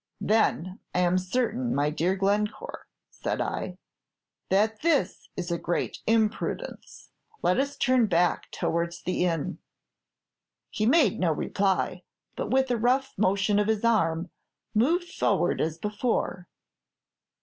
Then I am certain, my dear Glencore,' said I, 'that this is a great imprudence. Let us turn back, towards the inn.' "He made no reply, but with a rough motion of his arm moved forward as before.